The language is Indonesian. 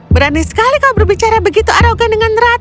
berani sekali kau berbicara begitu arogan dengan ratu